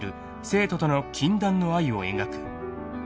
生徒との禁断の愛を描く］